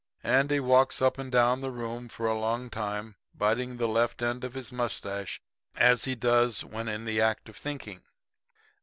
"Andy walks up and down the room for a long time, biting the left end of his mustache as he does when in the act of thinking.